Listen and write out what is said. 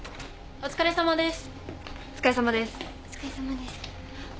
お疲れさまです。